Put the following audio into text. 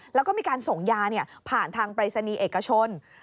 แล้วก็มีการส่งยาผ่านทางปรายศนีย์เอกชน